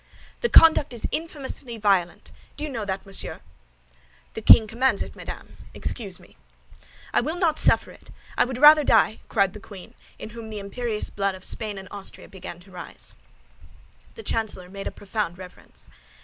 "The conduct is infamously violent! Do you know that, monsieur?" "The king commands it, madame; excuse me." "I will not suffer it! No, no, I would rather die!" cried the queen, in whom the imperious blood of Spain and Austria began to rise. The chancellor made a profound reverence.